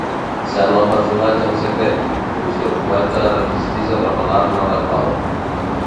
Sembla un personatge amb secret, com si el poeta es resistís a revelar-ne la clau.